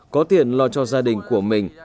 có tiền lo cho gia đình của mình